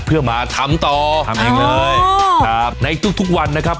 เพื่อมาทำต่อทำเองเลยครับในทุกทุกวันนะครับ